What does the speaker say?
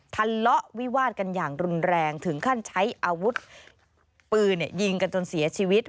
ทะเลาะวิวาดกันอย่างรุนแรงถึงขั้นใช้อาวุธปืนยิงกันจนเสียชีวิต